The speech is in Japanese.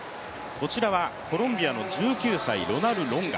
こちらはコロンビアの１９歳、ロナル・ロンガ。